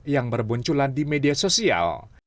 yang bermunculan di media sosial